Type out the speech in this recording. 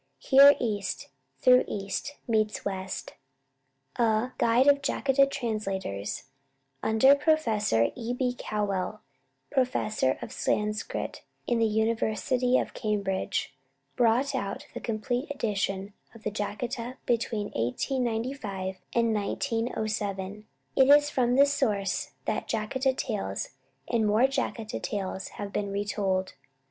Here East, though East, meets West! A "Guild of Jataka Translators," under Professor E. B. Cowell, professor of Sanskrit in the University of Cambridge, brought out the complete edition of the Jataka between 1895 and 1907. It is from this source that "Jataka Tales" and "More Jataka Tales" have been retold.